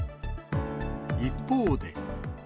一方で。